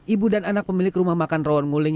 ibu dan anak pemilik rumah makan rawon nguling